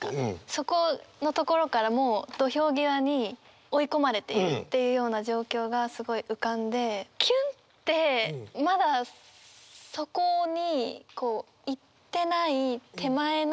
そこのところからもう土俵際に追い込まれているっていうような状況がすごい浮かんでキュンってまだそこに行ってない手前のところなのかなっていう。